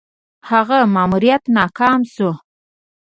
هغه ماموریت ناکام شو.